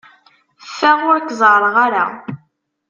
Ffeɣ ur k-ẓerreɣ ara!